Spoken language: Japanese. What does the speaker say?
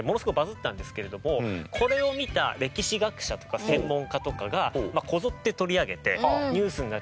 これを見た歴史学者とか専門家とかがこぞって取り上げてニュースになって。